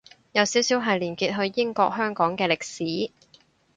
有少少係連結去英國香港嘅歷史